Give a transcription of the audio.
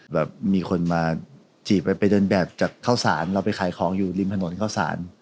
แบบมีคนมาจีบไปเดินแบบจากข้าวสารเราไปขายของอยู่ริมถนนเข้าสาร